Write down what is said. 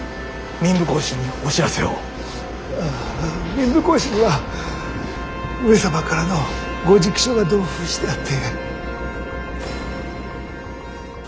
民部公子には上様からのご直書が同封してあって。